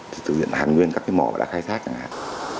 thì thực hiện hàng nguyên các cái mỏ đã khai thác chẳng hạn